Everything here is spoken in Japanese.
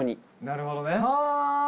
なるほどね。